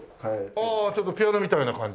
ああちょっとピアノみたいな感じの。